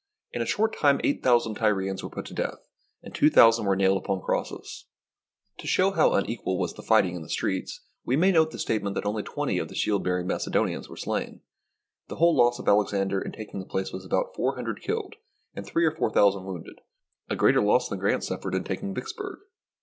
In a short time eight thousand Tyrians were put to death, and two thousand were nailed upon crosses. SIEGE OF TYRE To show how unequal was the fighting in the streets, we may note the statement that only twenty of the shield bearing Macedonians were slain. The whole loss of Alexander in taking the place was about four hundred killed and three or four thou sand wounded, a greater loss than Grant suffered in taking Vicksburg.